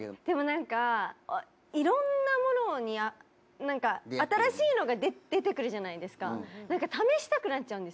でもなんかいろんなものに新しいのが出てくるじゃないですか。